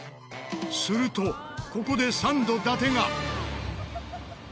するとここでサンド伊達が。